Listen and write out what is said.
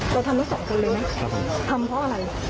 จะทำให้สองคนด้วยไหมครับทำเพราะอะไร